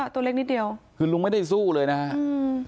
ตัวเล็กนิดเดียวคือลุงไม่ได้สู้เลยนะฮะอืม